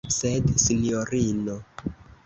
Sed, sinjorino.